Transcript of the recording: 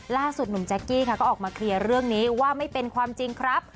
ล่าสุดหนุ่มแจ๊กกี้ค่ะก็ออกมาเคลียร์เรื่องนี้ว่าไม่เป็นความจริงครับ